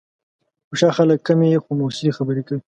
هوښیار خلک کمې، خو مؤثرې خبرې کوي